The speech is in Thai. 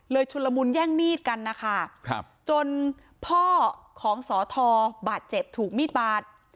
ชุนละมุนแย่งมีดกันนะคะจนพ่อของสอทอบาดเจ็บถูกมีดบาด